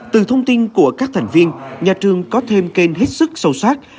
từ thông tin của các thành viên nhà trường có thêm kênh hết sức sâu sát